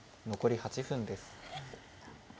残り８分です。